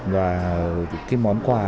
và cái món quà